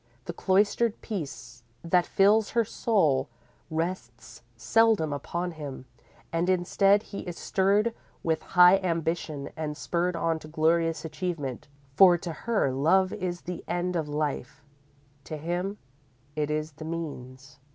The cloistered peace that fills her soul rests seldom upon him, and instead he is stirred with high ambition and spurred on to glorious achievement. For to her, love is the end of life; to him it is the means.